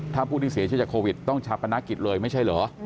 ถ้าผู้ที่เสียชีวิตจากโควิดต้องชาปนกิจเลยไม่ใช่เหรอ